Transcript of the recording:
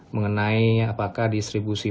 mengenai apakah distribusi